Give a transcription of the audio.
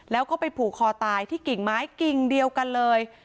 แล้วก็ไปผูกคอตายที่กิ่งไม้กิ่งเดียวกันเลย